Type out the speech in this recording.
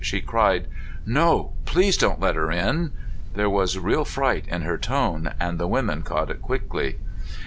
She cried, "No! Please don't let her in!" There was real fright in her tone and the women caught it quickly.